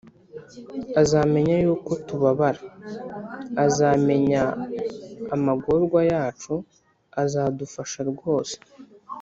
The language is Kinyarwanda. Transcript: Azameny' uko tubabara, Azameny' amagorwa yacu, Azadufasha rwose.